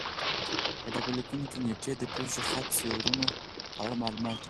په ډبرلیکونو کې نېټې د پېښو خط سیرونو په اړه معلومات دي